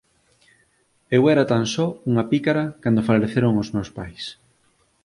Eu era tan só unha pícara cando faleceron os meus pais.